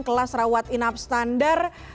kelas rawat inap standar